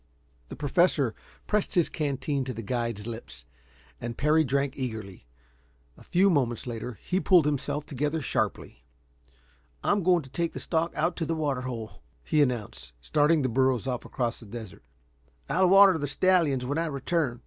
The Professor pressed his canteen to the guide's lips, and Parry drank eagerly. A few moments later he pulled himself together sharply. "I'm going to take the stock out to the water hole," he announced, starting the burros off across the desert. "I'll water the stallions when I return."